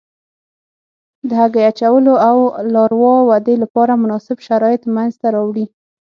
د هګۍ اچولو او لاروا ودې لپاره مناسب شرایط منځته راوړي.